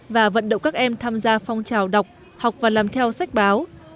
và vận động các em tham gia phong trào đọc học và làm theo sách báo